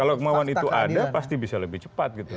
kalau kemauan itu ada pasti bisa lebih cepat gitu